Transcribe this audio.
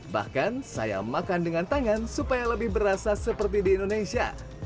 bahkan saya makan dengan tangan supaya lebih berasa seperti di indonesia